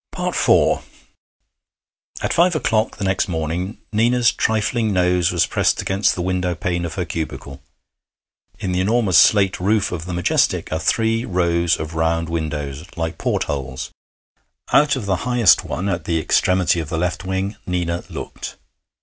IV At five o'clock the next morning Nina's trifling nose was pressed against the windowpane of her cubicle. In the enormous slate roof of the Majestic are three rows of round windows, like port holes. Out of the highest one, at the extremity of the left wing, Nina looked.